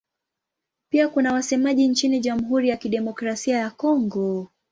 Pia kuna wasemaji nchini Jamhuri ya Kidemokrasia ya Kongo.